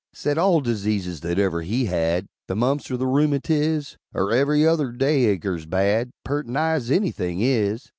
Said all diseases that ever he had The mumps, er the rheumatiz Er ever' other day aigger's bad Purt' nigh as anything is!